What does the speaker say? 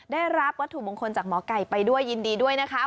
ได้รับวัตถุมงคลจากหมอไก่ไปด้วยยินดีด้วยนะคะ